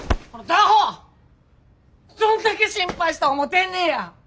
どんだけ心配した思てんねや！